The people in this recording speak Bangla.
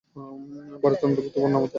ভারতের অন্তর্ভুক্তির পর নামমাত্র রাজা